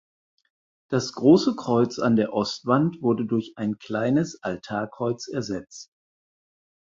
Das große Kreuz an der Ostwand wurde durch ein kleines Altarkreuz ersetzt.